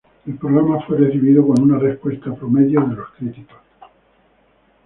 El programa fue recibido con una respuesta promedio de los críticos.